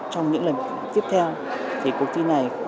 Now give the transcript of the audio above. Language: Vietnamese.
trong những lần tiếp theo thì cuộc thi này